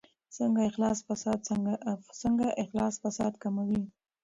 څنګه اخلاص فساد کموي؟